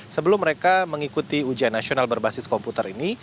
sebelum mereka mengikuti ujian nasional berbasis komputer ini